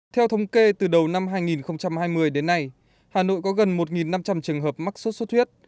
theo thống kê từ đầu năm hai nghìn hai mươi đến nay hà nội có gần một năm trăm linh trường hợp mắc sốt xuất huyết